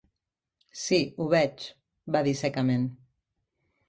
"Sí, ho veig", va dir secament.